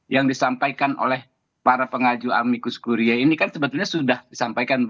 yang disampaikan oleh para pengaju amikus kuria ini kan sebetulnya sudah disampaikan